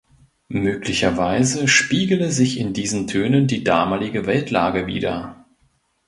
Möglicherweise spiegele sich in diesen Tönen die damalige Weltlage wieder.